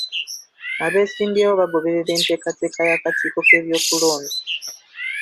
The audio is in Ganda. Abeesimbyewo bagoberera enteekateeka y'akakiiko k'ebyokulonda.